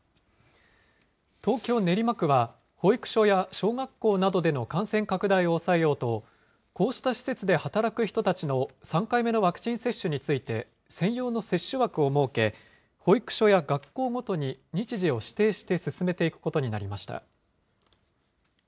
東京・練馬区は保育所や小学校などでの感染拡大を抑えようと、こうした施設で働く人たちの３回目のワクチン接種について、専用の接種枠を設け、保育所や学校ごとに日時を指定して進めていくことになりました。